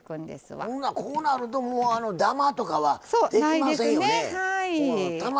こうなるともうダマとかはできませんよね。